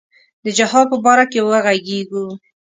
د جهاد په باره کې وږغیږو.